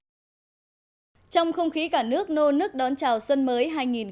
trong không khí cả nước nô nước đón chào xuân mới hai nghìn một mươi bảy